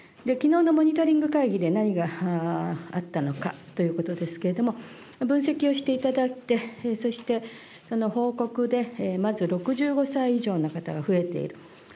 きのうのモニタリング会議で何があったのかということですけれども、分析をしていただいて、そして、報告で、まず６５歳以上の方が増えていると。